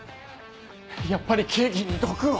やっぱりケーキに毒を！